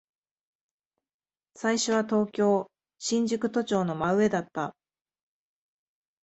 最初は東京、新宿都庁の真上だった。